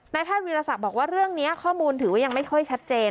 แพทย์วิรสักบอกว่าเรื่องนี้ข้อมูลถือว่ายังไม่ค่อยชัดเจน